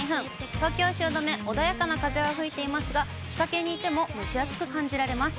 東京・汐留、穏やかな風が吹いていますが、日陰にいても蒸し暑く感じられます。